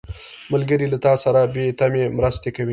ملګری له تا سره بې تمې مرسته کوي